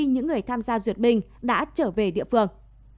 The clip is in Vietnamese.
những người tham gia ruột bình đã trở về địa phương